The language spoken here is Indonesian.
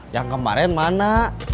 yang kemarin mana